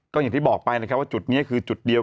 ก็อย่างที่บอกไปนะครับว่าจุดนี้คือจุดเดียว